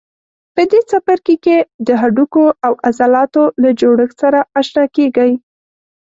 په دې څپرکي کې د هډوکو او عضلاتو له جوړښت سره آشنا کېږئ.